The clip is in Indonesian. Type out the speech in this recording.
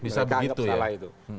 mereka anggap salah itu